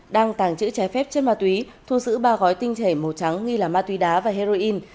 đang tàng trữ trái phép chất ma túy thu giữ ba gói tinh thể màu trắng nghi là ma túy đá và heroin